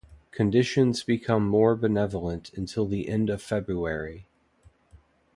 Conditions become more benevolent until the end of February.